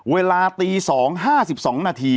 เวลาตี๒๕๒นาที